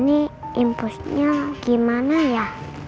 ini impusnya gimana ya